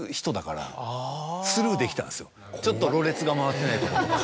ちょっとろれつが回ってないとことか。